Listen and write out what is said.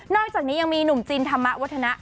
อกจากนี้ยังมีหนุ่มจินธรรมวัฒนะ